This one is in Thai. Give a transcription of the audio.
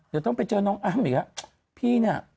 เดี๋ยวต้องไปเจอน้องอ้าวเหมือนอ่ะ